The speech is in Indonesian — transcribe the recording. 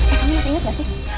eh kamu masih inget gak sih